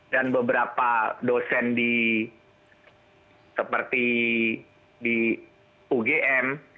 dan beberapa dosen di ugm